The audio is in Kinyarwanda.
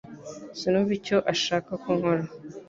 Sinumva icyo ashaka ko nkora